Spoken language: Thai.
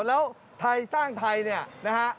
แล้วไทยสร้างไทยเนี่ยนะฮะ